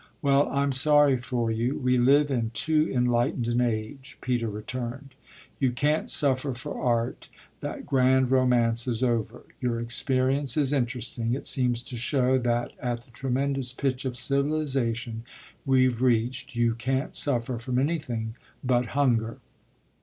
"Well, I'm sorry for you; we live in too enlightened an age," Peter returned. "You can't suffer for art that grand romance is over. Your experience is interesting; it seems to show that at the tremendous pitch of civilisation we've reached you can't suffer from anything but hunger."